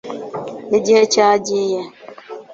igihe cyagiye